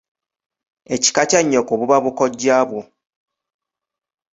Ekika kya nnyoko buba bukojjabwo.